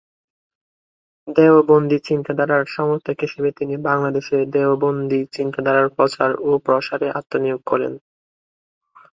দেওবন্দি চিন্তাধারার সমর্থক হিসেবে তিনি বাংলাদেশে দেওবন্দি চিন্তাধারার প্রচার ও প্রসারে আত্মনিয়োগ করেন।